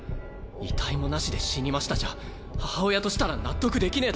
遺体もなしで「死にました」じゃ母親としたら納得できねぇだろ。